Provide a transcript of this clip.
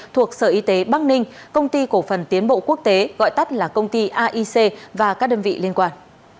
thuộc sở y tế bắc ninh công ty cổ phần tiến bộ quốc tế gọi tắt là công ty aic và các đơn vị liên quan